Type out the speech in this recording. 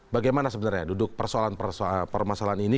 bagaimana sebenarnya duduk persoalan permasalahan ini